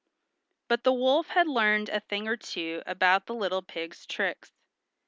But the wolf had learned a thing or two about the little pig's tricks.